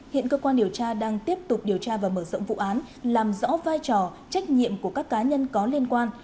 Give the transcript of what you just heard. hiện cơ quan điều tra đang tiếp tục điều tra và mở rộng vụ án làm rõ vai trò trách nhiệm của các cá nhân có liên quan